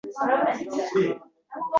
Deraza ochilmayapti.